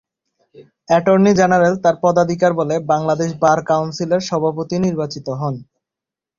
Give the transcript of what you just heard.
Attorney general তার পদাধিকার বলে বাংলাদেশ বার কাউন্সিলের সভাপতি নির্বাচিত হন।